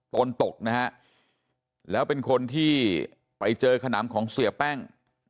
ตกนะฮะแล้วเป็นคนที่ไปเจอขนำของเสียแป้ง